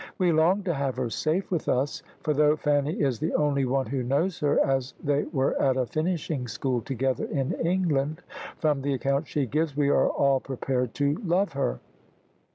We long to have her safe with us, for though Fanny is the only one who knows her, as they were at a finishing school together in England, from the account she gives we are all prepared to love her."